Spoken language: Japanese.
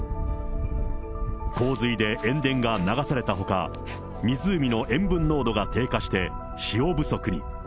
洪水で塩田が流されたほか、湖の塩分濃度が低下して、塩不足に。